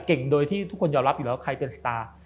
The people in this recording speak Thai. โดยที่ทุกคนยอมรับอยู่แล้วใครเป็นสตาร์